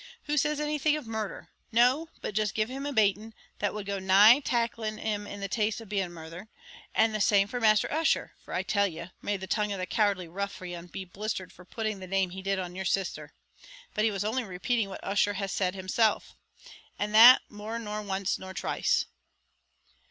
Who says anything of murdher? No, but just give him a bating that would go nigh taching him the taste of being murdhered, and the same for Master Ussher; for I tell ye may the tongue of the cowardly ruffian be blisthered for putting the name he did on your sisther! but he was only repating what Ussher has said hisself, and that more nor once nor twice."